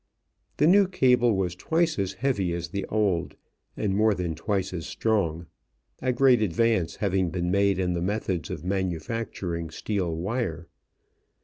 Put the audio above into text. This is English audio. The new cable was twice as heavy as the old and more than twice as strong, a great advance having been made in the methods of manufacturing steel wire.